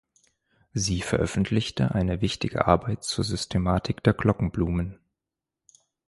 Sie veröffentlichte eine wichtige Arbeit zur Systematik der Glockenblumen.